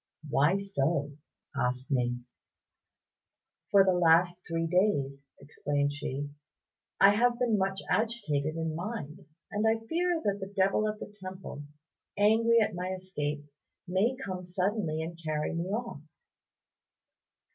"Why so?" asked Ning. "For the last three days," explained she, "I have been much agitated in mind; and I fear that the devil at the temple, angry at my escape, may come suddenly and carry me off."